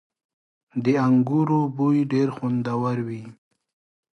• د انګورو بوی ډېر خوندور وي.